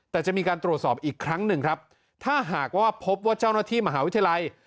แต่จะมีการตรวจสอบอีกครั้งหนึ่งครับถ้าหากว่าพบว่าเจ้าหน้าที่มหาวิทยาลัย